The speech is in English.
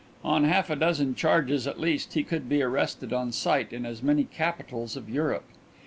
On half a dozen charges at least he could be arrested on sight in as many capitals of Europe.